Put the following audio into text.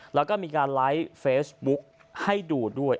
แล้วก็มีการไลฟ์เฟซบุ๊คให้ดูด้วย